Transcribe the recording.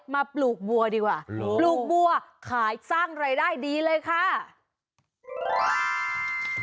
ปลูกบัวดีกว่าปลูกบัวขายสร้างรายได้ดีเลยค่ะ